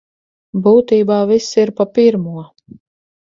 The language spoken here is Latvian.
Būtībā viss ir pa pirmo.